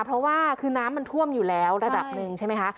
เพราะว่าคือน้ำมันท่วมอยู่แล้วระดับหนึ่งใช่ไหมคะ